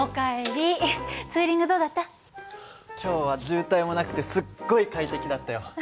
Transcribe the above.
今日は渋滞もなくてすっごい快適だったよ。